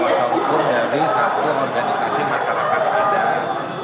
kuasa hukum dari satu organisasi masyarakat adat